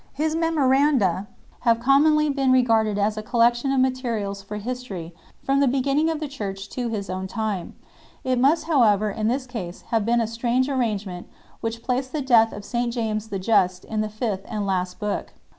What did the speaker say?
His " Memoranda 2 " (vTTOfjLvr/fAaTa) have commonly been regarded as a collection of materials for history from the beginning of the Church to his own time. It must however in this case have been a strange arrangement which placed the death of St James the Just in the fifth and last book.